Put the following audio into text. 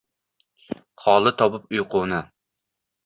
Xoli topib uyquni